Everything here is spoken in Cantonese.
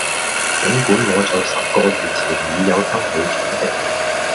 盡管我在十個月前已有心理準備